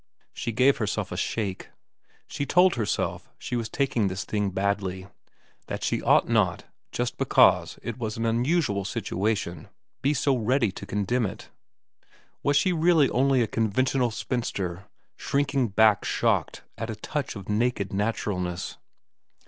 She gave herself a shake. She told herself she was taking this thing badly ; that she ought not, just because it was an unusual situation, be so ready to condemn it. Was she really only a conventional spinster, shrinking back shocked at a touch of naked naturalness